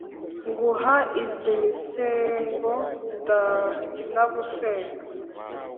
Nguha iz' imisengo ndanagusenga